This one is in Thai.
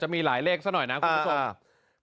หมายเลขสักหน่อยนะคุณผู้ทรง